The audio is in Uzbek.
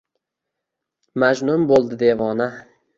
Majnun bo’ldi devona.